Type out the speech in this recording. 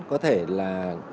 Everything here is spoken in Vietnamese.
có thể là